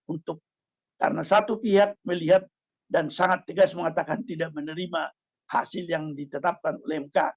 untuk karena satu pihak melihat dan sangat tegas mengatakan tidak menerima hasil yang ditetapkan oleh mk